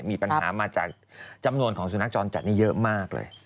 มีปัญหามาจากจำนวนของสุนัขจรจัดนี่เยอะมากเลย